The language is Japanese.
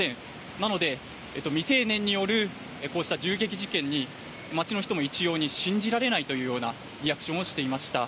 なので、未成年によるこうした銃撃事件に街の人も一様に信じられないというリアクションをしていました。